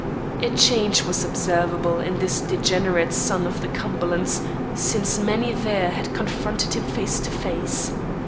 A change was observable in this degenerate son of the Cumberlands since many there had confronted him face to face.